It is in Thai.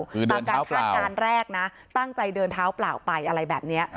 ตามการคาดการณ์แรกนะตั้งใจเดินเท้าเปล่าไปอะไรแบบนี้